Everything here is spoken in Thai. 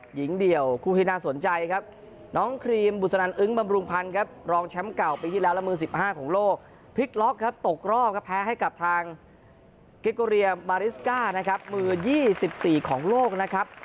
หญิงเดี่ยวคู่ที่น่าสนใจครับ